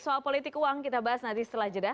soal politik uang kita bahas nanti setelah jeda